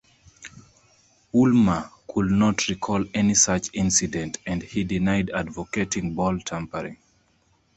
Woolmer could not recall any such incident and he denied advocating ball-tampering.